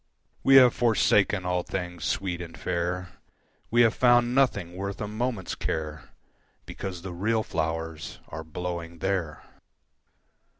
We have forsaken all things sweet and fair, We have found nothing worth a moment's care Because the real flowers are blowing there.